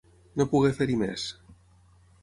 No poder fer-hi més.